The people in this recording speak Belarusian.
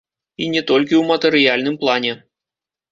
І не толькі ў матэрыяльным плане.